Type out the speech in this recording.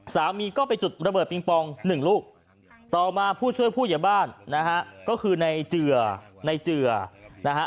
สามีก็ไปจุดระเบิดปิงปองหนึ่งลูกต่อมาผู้ช่วยผู้ใหญ่บ้านนะฮะก็คือในเจือในเจือนะฮะ